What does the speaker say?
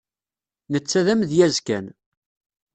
Netta d amedyaz kan.